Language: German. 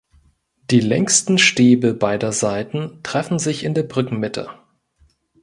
Die längsten Stäbe beider Seiten treffen sich in der Brückenmitte.